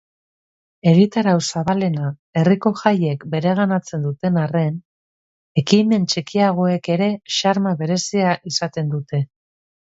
Egitarau zabalena herriko jaiek bereganatzen duten arren, ekimen txikiagoek ere xarma berezia izaten dute.